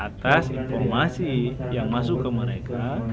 atas informasi yang masuk ke mereka